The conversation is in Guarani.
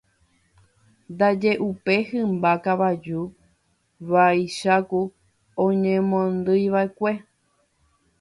ndaje upe hymba kavaju vaicháku oñemondyiva'ekue